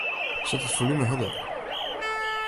Set it folume hurder.